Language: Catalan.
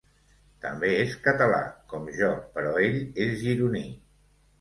També és català, com jo, però ell és gironí.